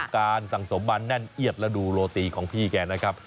การสั่งสมบันแน่นเอียดแล้วดูโรตีของพี่แกนะครับ